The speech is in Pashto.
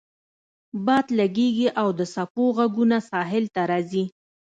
باد لګیږي او د څپو غږونه ساحل ته راځي